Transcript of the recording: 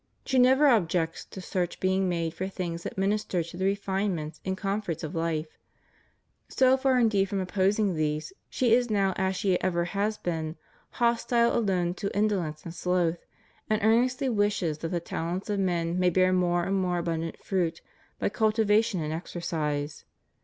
She never objects to search being made for things that minister to the refinements and comforts of life So far indeed from opposing these she is now, as she ever has been, hostile alone to indolence and sloth, and earnestly wishes that the talents of men may bear more and more abundant fruit by cultivation and exer cise.